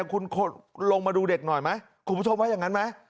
คุณลงมาดูเด็กหน่อยไหมคุณผู้ชมว่าอย่างนั้นไหม